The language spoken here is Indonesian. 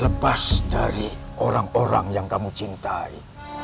lepas dari orang orang yang kamu cintai